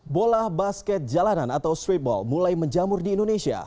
bola basket jalanan atau streetball mulai menjamur di indonesia